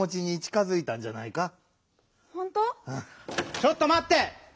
ちょっとまって！